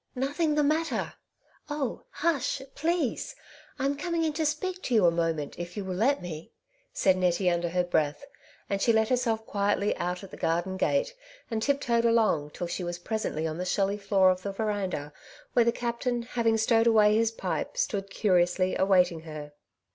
''Nothing the matter; oh! hush, please. I am coming in to speak to you a moment, if you will let me," said Nettie, under her breath ; and she let herself quietly out at the garden gate, and tip toed along, till she was presently on the shelly floor of the verandah, where the captain, having stowed away his pipe, stood curiously awaiting her.